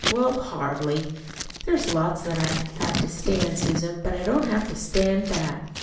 Well, hardly! There's lots that I do have to stand, Susan, but I don't have to stand that."